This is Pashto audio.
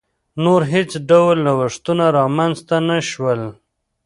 نور هېڅ ډول نوښتونه رامنځته نه شول.